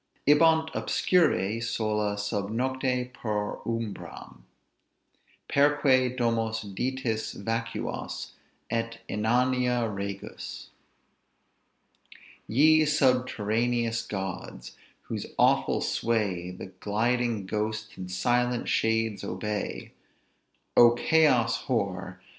Ibant obscuri, sola sub nocte, per umbram, Perque domos Ditis vacuas, et inania regus. "Ye subterraneous gods! whose awful sway The gliding ghosts, and silent shades obey: O Chaos hoar!